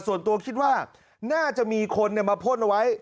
ส่วนตัวคิดว่าน่าจะมีคนมาพ่นเอาไว้